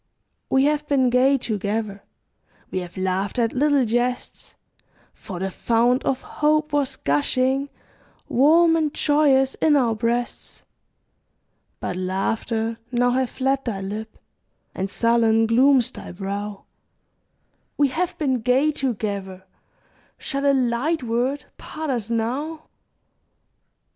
We have been gay together; We have laughed at little jests; For the fount of hope was gushing Warm and joyous in our breasts, But laughter now hath fled thy lip, And sullen glooms thy brow; We have been gay together, Shall a light word part us now?